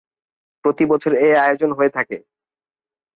প্রতিবছর এই আয়োজন হয়ে থাকে।